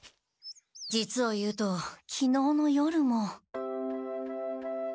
実を言うときのうの夜も。